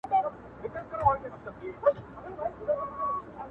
او څه به ورڅخه زده کړي